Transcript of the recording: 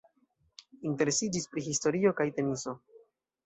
Interesiĝis pri historio kaj teniso.